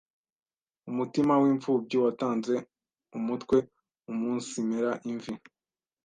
umutima w’imfubyi watanze umutwe umunsimera imvi,